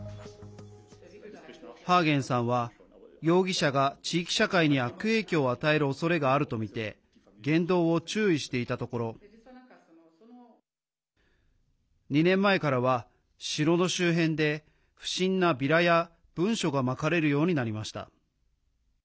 ハーゲンさんは容疑者が地域社会に悪影響を与えるおそれがあるとみて言動を注意していたところ２年前からは城の周辺で不審なビラや文書がまかれるようになりました。